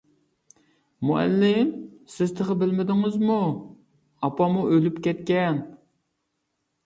-مۇئەللىم، سىز تېخى بىلمىدىڭىزمۇ؟ ئاپام ئۇ ئۆلۈپ كەتكەن.